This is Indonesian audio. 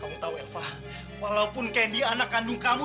kamu tahu elva walaupun kendi anak kandung kamu